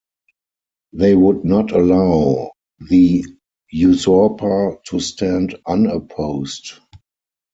They would not allow the usurper to stand unopposed.